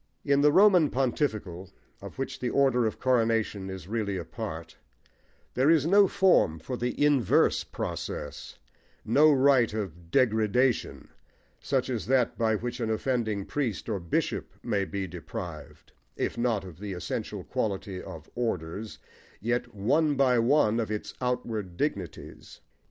In the Roman Pontifical, of which the order of Coronation is really a part, there is no form for the inverse process, no rite of "degradation," such as that by which an offending priest or bishop may be deprived, if not of the essential quality of "orders," yet, one by one, of its outward dignities.